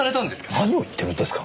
何を言ってるんですか！